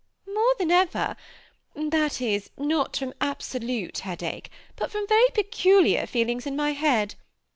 ^ More than ever ; that is, not from absolute head ache, but from very peculiar feelings in mj head.